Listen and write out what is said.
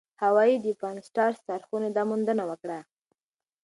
هاوايي د پان-سټارس څارخونې دا موندنه وکړه.